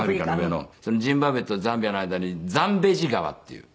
そのジンバブエとザンビアの間にザンベジ川っていう。